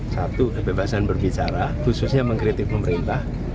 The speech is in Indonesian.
satu kebebasan berbicara khususnya mengkritik pemerintah